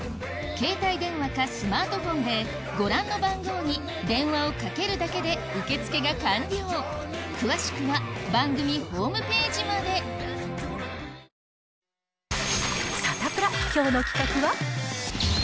携帯電話かスマートフォンでご覧の番号に電話をかけるだけで受け付けが完了詳しくは番組ホームページまでサタプラ、きょうの企画は。